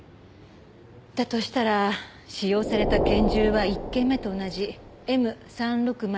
だとしたら使用された拳銃は１件目と同じＭ３６０ＪＳＡＫＵＲＡ。